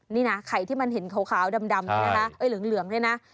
นี่นะไข่ที่มันเห็นขาวดำนะคะหรือเหลืองด้วยนะ